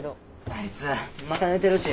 あいつまた寝てるし。